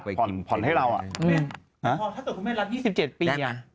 พอถ้าเกิดคุณแม่รับ๒๗ปี